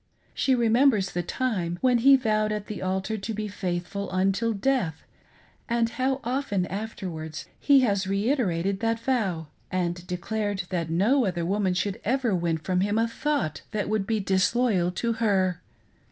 She remembers the time when he vowed at the altar to be faithful until death, and how often afterwards he has reiterated that vow and declared that no other woman should ever win from him a thought that would be disloyal to her.